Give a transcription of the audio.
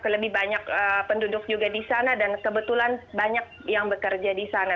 lebih banyak penduduk juga di sana dan kebetulan banyak yang bekerja di sana